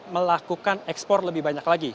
melakukan ekspor lebih banyak lagi